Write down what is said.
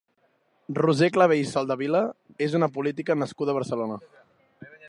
Roser Clavell Soldevila és una política nascuda a Barcelona.